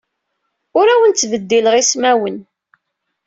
Ur awen-ttbeddileɣ ismawen.